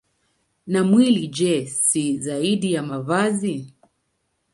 Na mwili, je, si zaidi ya mavazi?